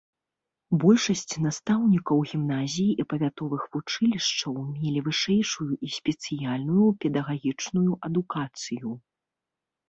Большасць настаўнікаў гімназій і павятовых вучылішчаў мелі вышэйшую і спецыяльную педагагічную адукацыю.